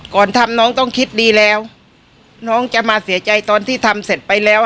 ก่อนทำน้องต้องคิดดีแล้วน้องจะมาเสียใจตอนที่ทำเสร็จไปแล้วอ่ะ